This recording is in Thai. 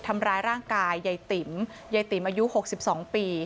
ทำร้ายร่างกายใยติ๋มใยติ๋มอายุหกสิบสองปี